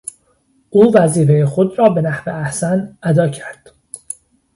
او وظیفهٔ خود را بنحو احسن اداء کرد.